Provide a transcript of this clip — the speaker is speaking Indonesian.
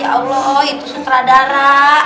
ya allah itu sutradara